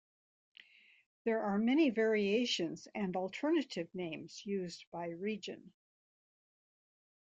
There are many variations and alternative names used by region.